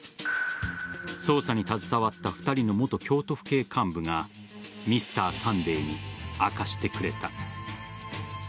捜査に携わった２人の元京都府警幹部が「Ｍｒ．サンデー」に明かしてくれた。